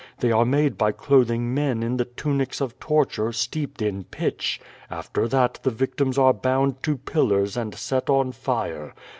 They are made by clothing men in the tunics of torture, steeped in pitch. After that the victims are bound to pillars and set on fire.